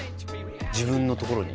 自分のところに？